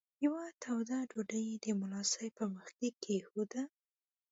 یوه توده ډوډۍ یې د ملا صاحب په مخ کې کښېښوده.